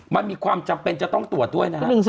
มันมีความจำเป็นจะต้องตรวจด้วยนะฮะ